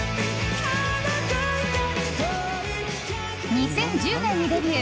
２０１０年にデビュー。